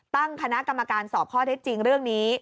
ตั้งคณะกรรมการสอบข้อเท็จจริงเรื่องนี้